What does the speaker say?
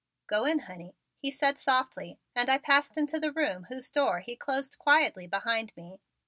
"Go in, honey," he said softly and I passed into the room whose door he closed quietly behind me.